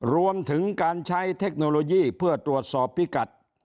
รวมถึงการใช้เทคโนโลยีเพื่อตรวจสอบพิกัด